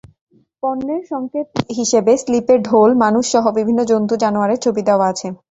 পণ্যের সংকেত হিসেবে স্লিপে ঢোল, মানুষসহ বিভিন্ন জন্তু-জানোয়ারের ছবি দেওয়া আছে।